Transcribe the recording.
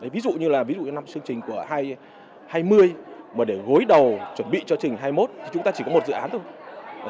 ví dụ như là năm chương trình của hai nghìn hai mươi mà để gối đầu chuẩn bị cho trình hai nghìn hai mươi một thì chúng ta chỉ có một dự án thôi